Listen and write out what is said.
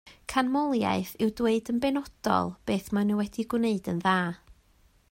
Canmoliaeth yw dweud yn benodol beth maen nhw wedi gwneud yn dda